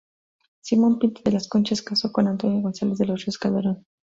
Simón Pinto de las Conchas casó con Antonia González de los Ríos Calderón.